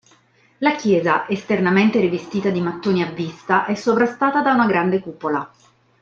La chiesa, esternamente rivestita di mattoni a vista, è sovrastata da una grande cupola.